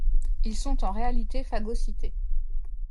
Ils sont en réalité phagocytés.